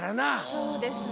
そうですね。